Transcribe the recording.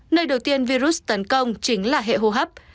nơi đầu tiên virus tấn công chính là hệ hô hấp